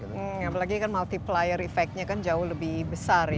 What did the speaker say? yang apalagi kan multiplier effectnya kan jauh lebih besar ya